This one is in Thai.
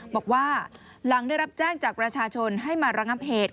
บอกว่าหลังได้รับแจ้งจากประชาชนให้มาระงับเหตุ